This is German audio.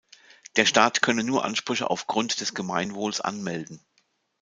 Der Staat könne nur Ansprüche aufgrund des Gemeinwohls anmelden.